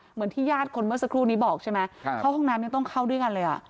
เหมือนที่ญาติคนเมื่อสักครู่นี้บอกใช่ไหมเข้าห้องน้ำยังต้องเข้าด้วยกันเลยอ่ะ